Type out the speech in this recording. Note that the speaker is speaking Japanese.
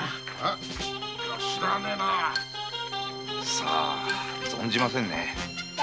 さあ存じませんね。